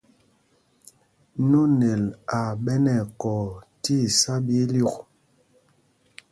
Nonel aa ɓɛ nɛ ɛkɔɔ tí isá ɓɛ ílyûk.